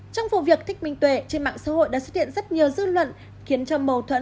trong vụ việc thích minh tuệ trên mạng xã hội đã xuất hiện rất nhiều dư luận khiến cho mâu thuẫn